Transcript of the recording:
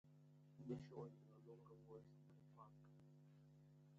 The show is also no longer voiced by Pak.